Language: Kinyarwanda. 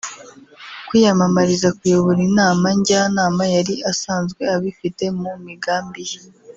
Kwiyamamariza kuyobora Inama Njyanama yari asanzwe abifite mu migambi ye